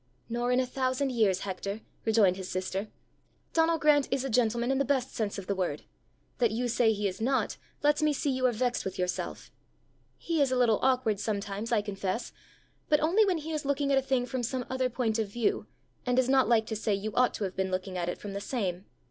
"Nor in a thousand years, Hector!" rejoined his sister. "Donal Grant is a gentleman in the best sense of the word! That you say he is not, lets me see you are vexed with yourself. He is a little awkward sometimes, I confess; but only when he is looking at a thing from some other point of view, and does not like to say you ought to have been looking at it from the same.